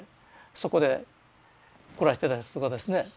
そこで暮らしてた人とかですね。